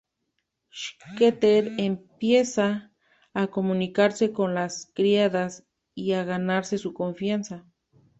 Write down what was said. Skeeter empieza a comunicarse con las criadas y a ganarse su confianza.